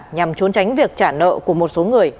nhằm trốn tránh việc trả nợ của một số người